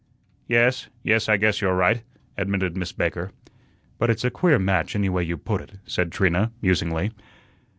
"Yes, yes, I guess you're right," admitted Miss Baker. "But it's a queer match anyway you put it," said Trina, musingly.